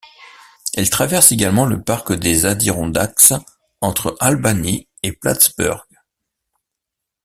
Elle traverse également le parc des Adirondacks entre Albany et Plattsburgh.